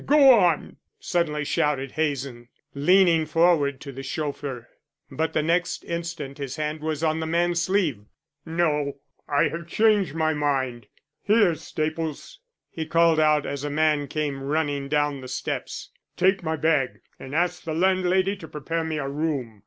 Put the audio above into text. "Go on!" suddenly shouted Hazen, leaning forward to the chauffeur. But the next instant his hand was on the man's sleeve. "No, I have changed my mind. Here, Staples," he called out as a man came running down the steps, "take my bag and ask the landlady to prepare me a room.